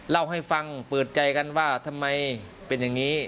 เล่าให้ฟังเปิดใจกันว่าทำไมเป็นอย่างนี้